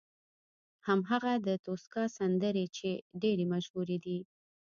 هغه هم د توسکا سندرې چې ډېرې مشهورې دي.